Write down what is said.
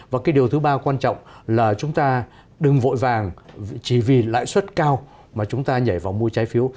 và cái điều thứ ba quan trọng là chúng ta đừng vội vàng chỉ vì lãi suất cao mà chúng ta nhảy vào mua trái phiếu